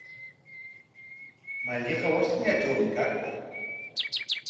Malliqa wasinllatrawmi kakuq.